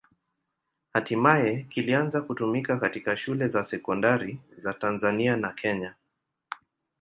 Hatimaye kilianza kutumika katika shule za sekondari za Tanzania na Kenya.